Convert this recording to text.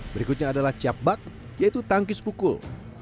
berikutnya adalah cap bak yaitu tangkis pukul